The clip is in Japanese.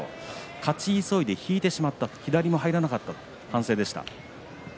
勝ち急いで引いてしまった左も入らなかったと反省でした。